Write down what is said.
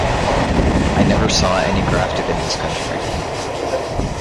I never saw any grafted in this country.